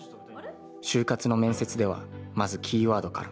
就活の面接ではまずキーワードから。